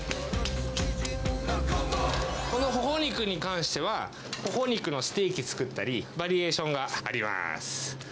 このほほ肉に関しては、ほほ肉のステーキ作ったり、バリエーションがあります。